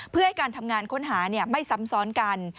เพื่อให้การทำงานค้นหาไม่ซ้ำซ้อนกัน